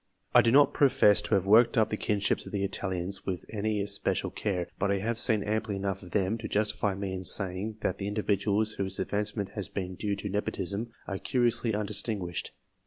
I do not profess to have worked up the kinships of the Italians with any especial care, but I have seen amply enough cf them, to justify me in saying that the individuals whose COMPARISON OF THE advancement has been due to nepotism, are curiously un distinguished.